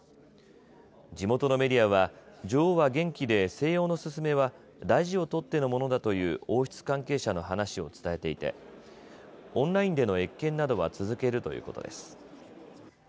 地元のメディアは女王は元気で静養の勧めは大事をとってのものだという王室関係者の話を伝えていてオンラインでの謁見などは続けるということです。